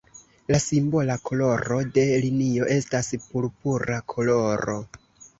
La simbola koloro de linio estas purpura koloro.